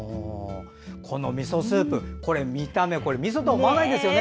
このみそスープ見た目みそとは思わないですよね。